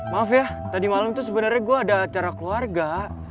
maaf ya tadi malam itu sebenarnya gue ada acara keluarga